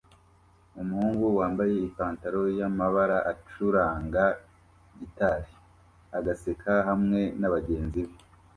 Umuhungu wambaye ipantaro y'amabara acuranga gitari agaseka hamwe nabagenzi be